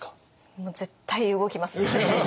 もう絶対動きますね！